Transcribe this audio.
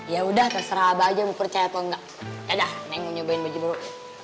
ya udah terserah abah aja mau percaya atau enggak yaudah neng mau nyobain baju baru